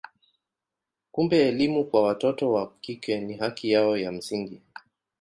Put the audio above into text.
Kumbe elimu kwa watoto wa kike ni haki yao ya msingi.